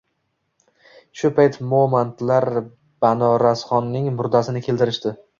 Shu payt momandlar Banorasxonning murdasini keltirishdi.